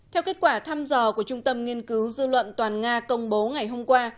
theo kết quả thăm dò của trung tâm nghiên cứu dư luận toàn nga công bố ngày hôm qua